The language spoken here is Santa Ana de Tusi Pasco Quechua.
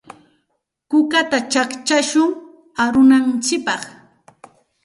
Kukata chaqchashun arunantsikpaq.